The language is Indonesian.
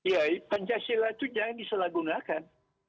ya pancasila itu jangan disalahgunakan